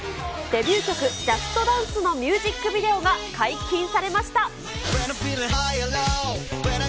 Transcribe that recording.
デビュー曲、ＪＵＳＴＤＡＮＣＥ！のミュージックビデオが解禁されました。